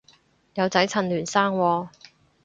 有仔趁嫩生喎